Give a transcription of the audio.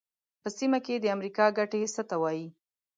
په سیمه کې د امریکا ګټې څه ته وایي.